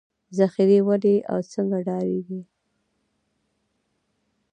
ذخیرې ولې او څنګه ډکېږي